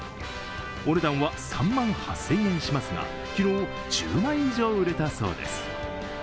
お値段は３万８０００円しますが昨日、１０枚以上売れたそうです。